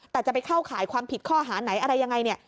แต่จะไปเข้าข่ายความผิดข้อหาไหนอะไรยังไงเนี่ย